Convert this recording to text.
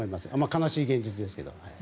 悲しい現実ですけど。